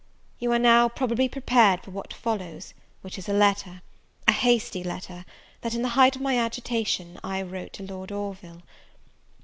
You are now probably prepared for what follows which is a letter a hasty letter, that, in the height of my agitation, I wrote to Lord Orville.